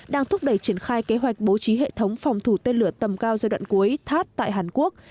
đang thúc đẩy triển khai kế hoạch bố trí hệ thống phòng thủ tên lửa tầm cao giai đoạn cuối thắt tại hàn quốc